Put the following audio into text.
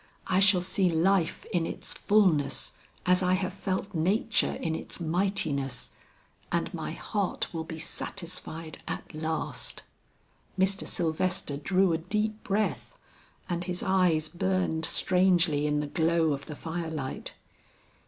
I shall see life in its fullness as I have felt nature in its mightiness, and my heart will be satisfied at last." Mr. Sylvester drew a deep breath and his eyes burned strangely in the glow of the fire light.